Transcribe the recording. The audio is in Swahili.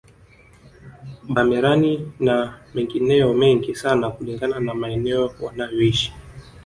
Bamerani na mengineyo mengi sana kulingana na maeneo wanayoishi